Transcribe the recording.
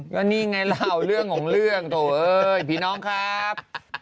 ก็นี่ไงเราเรื่องของเรื่องโถเอ้ยพี่น้องครับ